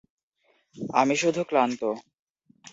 আমি শুধু ক্লান্ত।